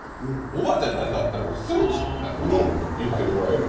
「おばあちゃんに何かあったら失礼でしょ」みたいな事を言って怒られる。